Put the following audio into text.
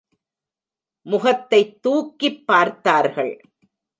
முகத்தைத் தூக்கிப் பார்த்தார்கள்.